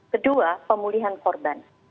kedua pemulihan korban